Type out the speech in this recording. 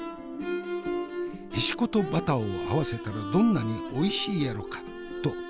へしことバターを合わせたらどんなにおいしいやろかと。